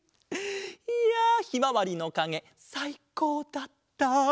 いやひまわりのかげさいこうだった！